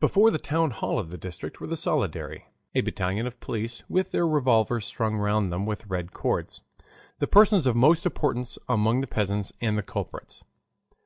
Before the town hall of the district were the soldiery, a battalion of police with their revolvers slung round them with red cords, the persons of most importance among the peasants, and the culprits.